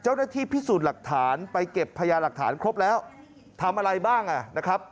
เจ้าหน้าที่พิสูจน์หลักฐานไปเก็บพยาหลักฐานครบแล้วทำอะไรบ้างอ่ะนะครับ